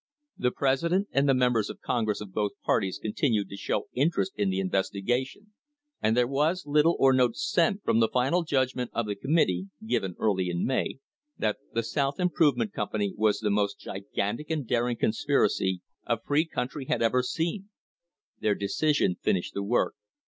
The Presi dent and the members of Congress of both parties continued to show interest in the investigation, and there was little or no dissent from the final judgment of the committee, given early in May, that the South Improvement Company was the "most gigantic and daring conspiracy" a free country had ever seen. This decision finished the work.